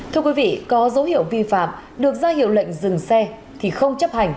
thưa quý vị có dấu hiệu vi phạm được ra hiệu lệnh dừng xe thì không chấp hành